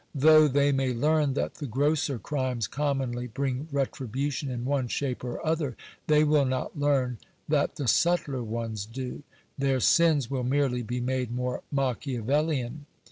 Though they may learn that the grosser crimes commonly bring retribution in one shape or other, they will not learn that the subtler ones do. Their sins will merely be made more Machiavellian.